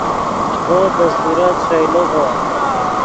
زو دے صورت ݰئیلیغّو